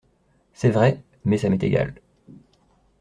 C’est vrai… mais ça m’est égal…